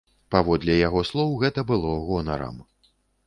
Паводле яго слоў, гэта было гонарам.